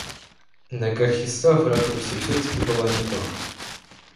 Нога Христа в ракурсе всё-таки была не то.